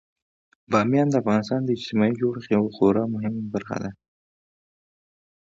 بامیان د افغانستان د اجتماعي جوړښت یوه خورا مهمه برخه ده.